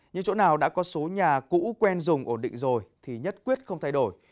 những chỗ nào đã có số nhà cũ quen dùng ổn định rồi thì nhất quyết không thay đổi